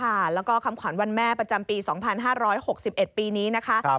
ค่ะแล้วก็คำขวัญวันแม่ประจำปี๒๕๖๑ปีนี้นะคะ